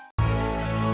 aduh ini saatnya